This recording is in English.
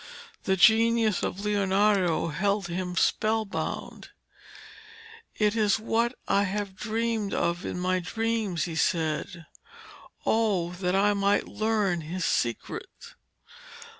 The genius of Leonardo held him spellbound. 'It is what I have dreamed of in my dreams,' he said. 'Oh that I might learn his secret!'